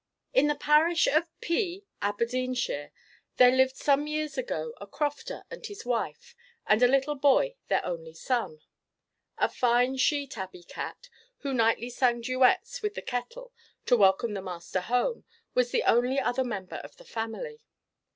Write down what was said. In the parish of P , Aberdeenshire, there lived some years ago a crofter and his wife, and a little boy their only son. A fine she tabby cat who nightly sang duets with the kettle to welcome the master home, was the only other member of the family.